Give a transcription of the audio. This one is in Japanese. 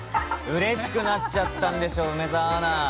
うれしくなっちゃったんでしょう、梅澤アナ。